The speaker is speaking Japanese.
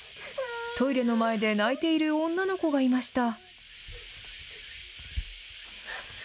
トイレの前で泣いている女の子がいました。